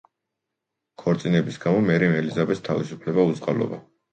ქორწინების გამო მერიმ ელიზაბეთს თავისუფლება უწყალობა.